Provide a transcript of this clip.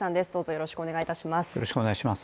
よろしくお願いします。